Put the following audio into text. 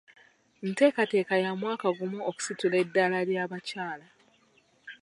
Nteekateeka ya mwaka gumu okusitula eddaala ly'abakyala.